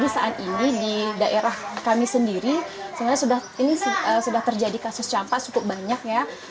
saat ini di daerah kami sendiri sebenarnya ini sudah terjadi kasus campak cukup banyak ya